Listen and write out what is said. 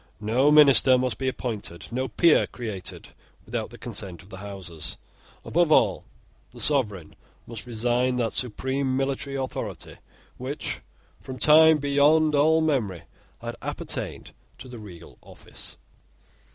No minister must be appointed, no peer created, without the consent of the Houses. Above all, the sovereign must resign that supreme military authority which, from time beyond all memory, had appertained to the regal office.